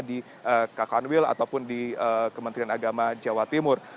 di kakanwil ataupun di kementerian agama jawa timur